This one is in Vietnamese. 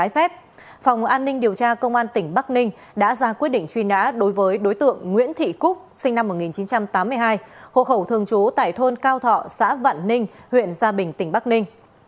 phòng an ninh điều tra công an tỉnh bắc ninh đã ra quyết định truy nã đối với đối tượng nguyễn thị cúc sinh năm một nghìn chín trăm tám mươi hai hộ khẩu thường trú tại thôn cao thọ xã vạn ninh huyện gia bình tỉnh bắc ninh